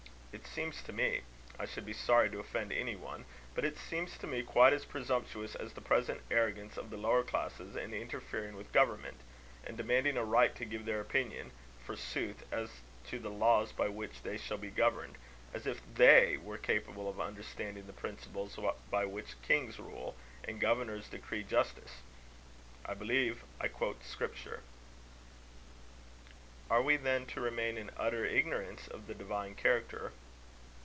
It seems to me I should be sorry to offend any one, but it seems to me quite as presumptuous as the present arrogance of the lower classes in interfering with government, and demanding a right to give their opinion, forsooth, as to the laws by which they shall be governed; as if they were capable of understanding the principles by which kings rule, and governors decree justice. I believe I quote Scripture." "Are we, then, to remain in utter ignorance of the divine character?"